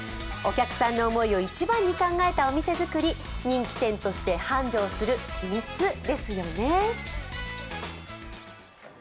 お客さんの思いを一番に考えたお店作り、人気店として繁盛する秘密ですよね。